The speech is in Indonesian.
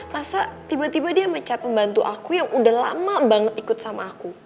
masa tiba tiba dia mecat pembantu aku yang udah lama banget ikut sama aku